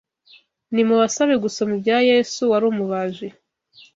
Nimubasabe gusoma ibya Yesu wari umubaji